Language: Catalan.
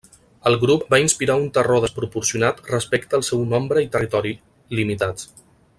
El grup va inspirar un terror desproporcionat respecte al seu nombre i territori limitats.